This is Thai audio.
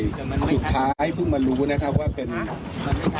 สุดท้ายเพิ่งมารู้นะครับว่าเป็น